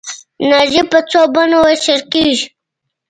انرژي په څو بڼو ویشل کېږي.